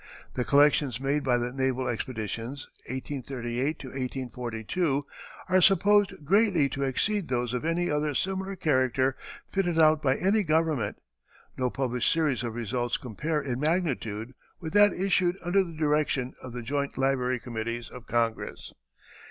The collections made by the naval expeditions 1838 to 1842 are supposed greatly to exceed those of any other similar character fitted out by any government; no published series of results compare in magnitude with that issued under the direction of the joint Library Committees of Congress."